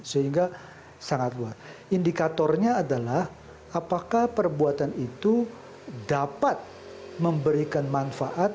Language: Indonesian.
sehingga sangat luar indikatornya adalah apakah perbuatan itu dapat memberikan manfaat